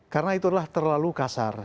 karena itu adalah terlalu kasar